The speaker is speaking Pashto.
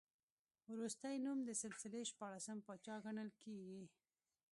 وروستی نوم د سلسلې شپاړسم پاچا ګڼل کېږي.